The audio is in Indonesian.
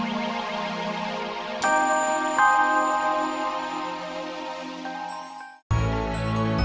sekali lagi pasti berhenti bekerja selama ini